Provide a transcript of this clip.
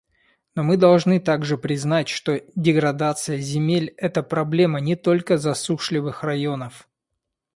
Но мы должны также признать, что деградация земель — это проблема не только засушливых районов.